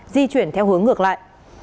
di chuyển theo hướng ngược lại